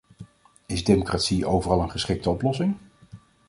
Is democratie overal een geschikte oplossing?